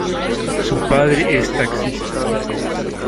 Su padre es taxista.